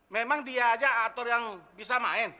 memang dia aja aktor yang bisa main